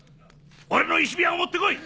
俺の石火矢を持ってこい！